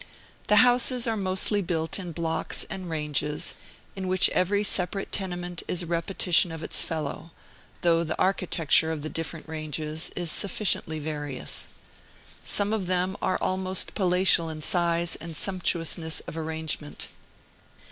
The houses are mostly built in blocks and ranges, in which every separate tenement is a repetition of its fellow, though the architecture of the different ranges is sufficiently various. Some of them are almost palatial in size and sumptuousness of arrangement.